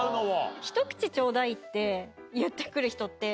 ひと口ちょうだいって言って来る人って。